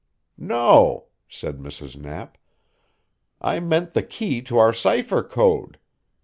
"No," said Mrs. Knapp. "I meant the key to our cipher code.